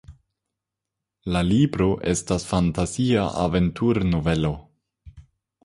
La libro estas fantazia aventur-novelo.